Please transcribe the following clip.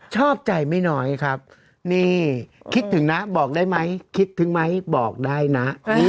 ชอบใจไม่น้อยครับนี่คิดถึงนะบอกได้ไหมคิดถึงไหมบอกได้นะ